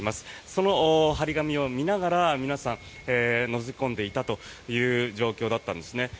その貼り紙を見ながら皆さん、のぞき込んでいたという状況だったんですね。